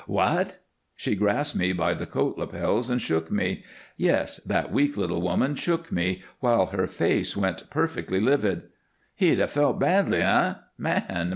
"What!" She grasped me by the coat lapels and shook me. Yes! That weak little woman shook me, while her face went perfectly livid. "'He'd have felt badly,' eh? Man!